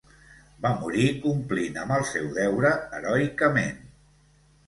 Va morir complint amb el seu deure heroicament .